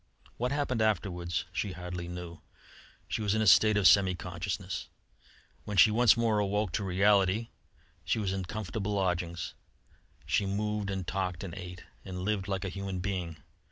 What happened afterwards she hardly knew; she was in a state of semi consciousness. When she once more woke to reality, she was in comfortable lodgings; she moved and talked and ate and lived like a human being.